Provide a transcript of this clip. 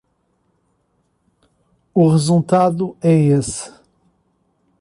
O resultado é esse.